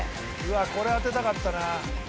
「うわこれ当てたかったな」